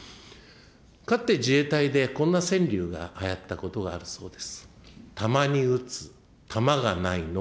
かつて自衛隊でこんな川柳がはやったことがあるそうです。